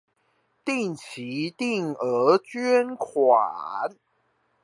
定期定額捐款